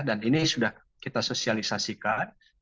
dan ini sudah kita sosialisasikan